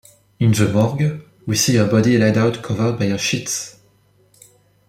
In the morgue, we see a body laid out covered by a sheet.